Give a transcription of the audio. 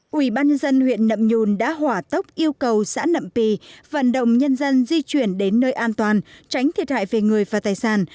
quỹ ban dân huyện nậm nhùn đã hỏa tốc yêu cầu xã nậm pì vận động nhân dân di chuyển đến nơi an toàn tránh thiệt hại về người và tài sản